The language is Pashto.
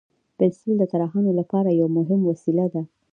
پنسل د طراحانو لپاره یو مهم وسیله ده.